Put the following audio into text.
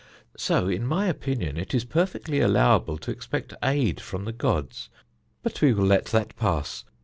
So, in my opinion, it is perfectly allowable to expect aid from the gods. But we will let that pass.